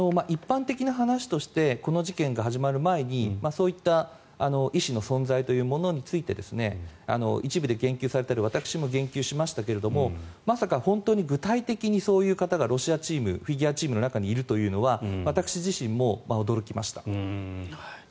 一般的な話としてこの事件が始まる前にそういった医師の存在というものについて一部で言及されたり私も言及しましたけれどまさか本当に具体的にそういう方がロシアのフィギュアチームの中にいるというのは私自身も驚きました。